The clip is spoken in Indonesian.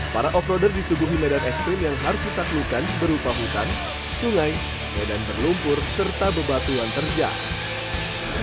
para off roader disuguhi medan ekstrim yang harus ditaklukkan berupa hutan sungai medan berlumpur serta bebatuan terjang